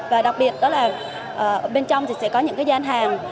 và đặc biệt đó là ở bên trong thì sẽ có những cái gian hàng